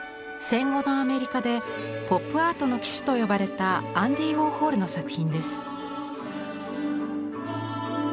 戦後のアメリカでポップアートの旗手と呼ばれたアンディ・ウォーホルの作品です。